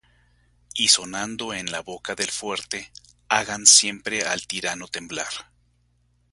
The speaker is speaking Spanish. y sonando en la boca del fuerte, hagan siempre al tirano temblar.